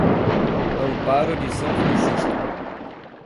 Amparo de São Francisco